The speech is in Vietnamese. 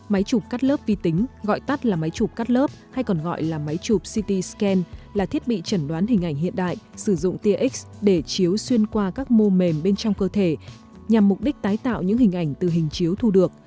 máy chụp cắt lớp vi tính gọi tắt là máy chụp cắt lớp hay còn gọi là máy chụp ct scan là thiết bị chẩn đoán hình ảnh hiện đại sử dụng tx để chiếu xuyên qua các mô mềm bên trong cơ thể nhằm mục đích tái tạo những hình ảnh từ hình chiếu thu được